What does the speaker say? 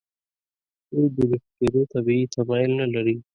دوی د جفت کېدو طبیعي تمایل نهلري.